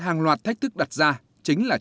hàng loạt thách thức đặt ra chính là